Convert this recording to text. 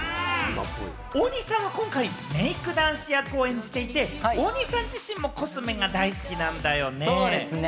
大西さんは今回、メイク男子役を演じていて、大西さん自身もコスメが大好きなんだよね？